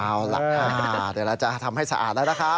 เอาหลักฐานเดี๋ยวเราจะทำให้สะอาดแล้วนะครับ